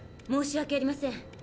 申し訳ありません。